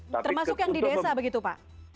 termasuk yang di desa begitu pak